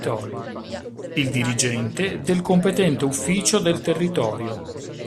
Il dirigente del competente ufficio del territorio.